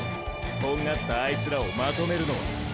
とんがったあいつらをまとめるのは。